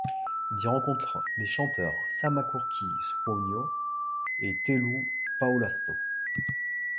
Ils y rencontrent les chanteurs Sanna Kurki-Suonio et Tellu Paulasto.